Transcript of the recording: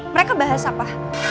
mereka bahas apa